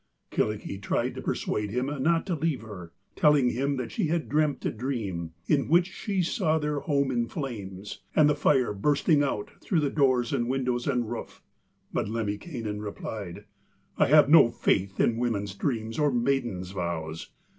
Kyllikki tried to persuade him not to leave her, telling him that she had dreamt a dream, in which she saw their home in flames and the fire bursting out through the doors and windows and roof. But Lemminkainen replied: 'I have no faith in women's dreams or maidens' vows.